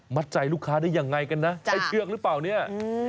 ใจลูกค้าได้ยังไงกันนะใช้เชือกหรือเปล่าเนี่ย